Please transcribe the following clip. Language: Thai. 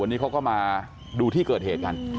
วันนี้เขาก็มาดูที่เกิดเหตุกัน